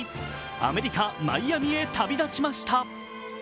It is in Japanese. アメリカ・マイアミへ旅立ちました。